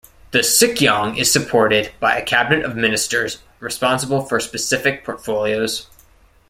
The Sikyong is supported by a cabinet of ministers responsible for specific portfolios.